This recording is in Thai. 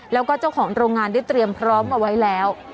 แล้วก็เจ้าของโรงงานได้เตรียมพร้อมเอาไว้แล้ว